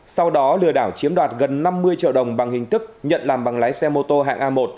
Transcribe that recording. sau đó lừa đảo chiếm đoạt gần năm mươi triệu đồng bằng hình thức nhận làm bằng lái xe mô tô hạng a một